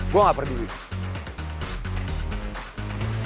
gue gak perduin